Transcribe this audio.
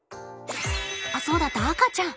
あっそうだった赤ちゃん！